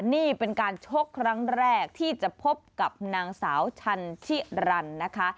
นี่เป็นการชกครั้งแรกที่จะพบกับนางสาวชันชิรันนะคะ